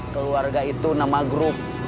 keluarga itu nama grup